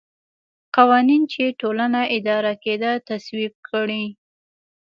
قوانین چې ټولنه اداره کېده تصویب کړي.